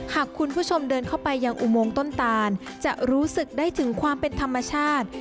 หากคุณผู้ชมเดินเข้าไปยังอุโมงต้นตานจะรู้สึกได้ถึงความเป็นธรรมชาติ